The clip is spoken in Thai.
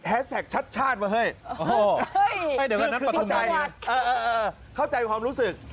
แฮดแซคชัดว่าเฮ้ยเข้าใจความรู้สึก